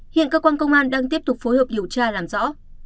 hiện cơ quan công an đang tiếp tục phối hợp điều tra làm rõ